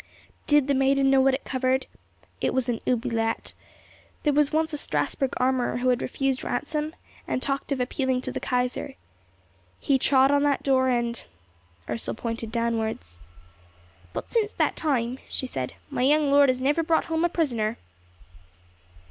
Did the maiden know what it covered? It was an oubliette. There was once a Strasburg armourer who had refused ransom, and talked of appealing to the Kaiser. He trod on that door and—Ursel pointed downwards. "But since that time," she said, "my young lord has never brought home a prisoner."